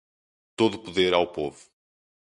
Todo poder ao povo.